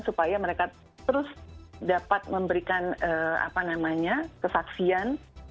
supaya mereka terus dapat memberikan apa namanya kesaksian